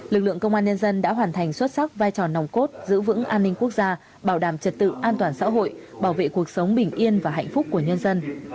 lực lượng công an nhân dân đã hoàn thành xuất sắc vai trò nòng cốt giữ vững an ninh quốc gia bảo đảm trật tự an toàn xã hội bảo vệ cuộc sống bình yên và hạnh phúc của nhân dân